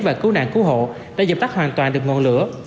và cứu nạn cứu hộ đã dập tắt hoàn toàn được ngọn lửa